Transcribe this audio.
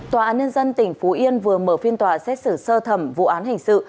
tòa án nhân dân tỉnh phú yên vừa mở phiên tòa xét xử sơ thẩm vụ án hình sự